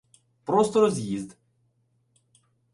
Просто роз'їзд.